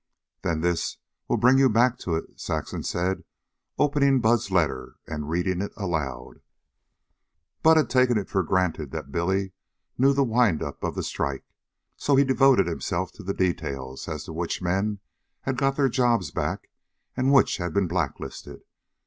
"Then this will bring you back to it," Saxon said, opening Bud's letter and reading it aloud. Bud had taken it for granted that Billy knew the wind up of the strike; so he devoted himself to the details as to which men had got back their jobs, and which had been blacklisted.